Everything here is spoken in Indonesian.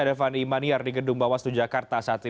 adelvani maniar di gedung bawaslu jakarta saat ini